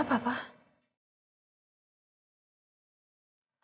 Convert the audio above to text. sampai jumpa di video selanjutnya